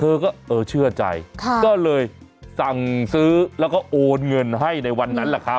เธอก็เออเชื่อใจก็เลยสั่งซื้อแล้วก็โอนเงินให้ในวันนั้นแหละครับ